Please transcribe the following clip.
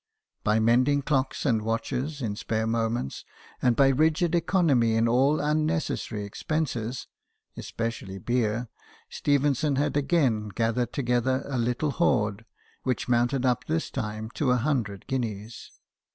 By mending clocks and watches in spare moments, and by rigid economy in all un necessary expenses (especially beer), Stephen son had again gathered together a little hoard, which mounted up this time to a hundred guineas.